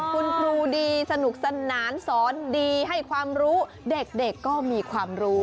คุณครูดีสนุกสนานสอนดีให้ความรู้เด็กก็มีความรู้